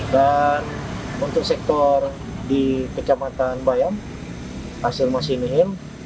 dan untuk sektor di kejamatan bayam hasil masih nihil